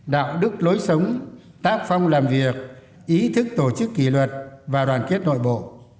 đạo đức lối sống tác phong làm việc ý thức tổ chức kỷ luật và đoàn kết nội bộ